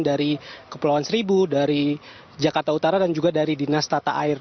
dari kepulauan seribu dari jakarta utara dan juga dari dinas tata air